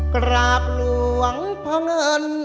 กราบหลวงพ่อเงิน